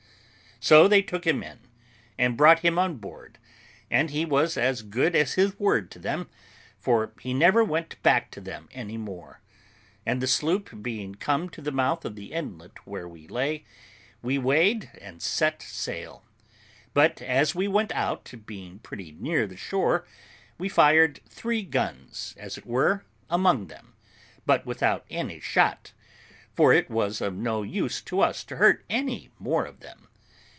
So they took him in, and brought him on board, and he was as good as his word to them, for he never went back to them any more; and the sloop being come to the mouth of the inlet where we lay, we weighed and set sail; but, as we went out, being pretty near the shore, we fired three guns, as it were among them, but without any shot, for it was of no use to us to hurt any more of them.